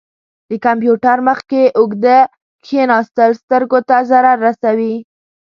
د کمپیوټر مخ کې اوږده کښیناستل سترګو ته ضرر رسوي.